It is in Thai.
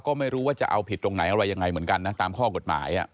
ก็ไม่รู้ว่าจะเอาผิดตรงไหนอะไรยังไงเหมือนกันนะตามข้อกฎหมาย